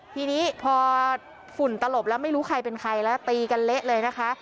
ทีนี้พอฝุ่นตลบแล้วไม่รู้ใครเป็นใครแล้วตีกันเละเลยนะคะ